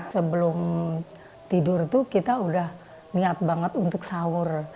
sebelum tidur tuh kita udah niat banget untuk sahur